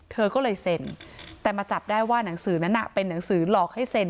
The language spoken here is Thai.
เธอก็เลยเซ็นแต่มาจับได้ว่าหนังสือนั้นน่ะเป็นหนังสือหลอกให้เซ็น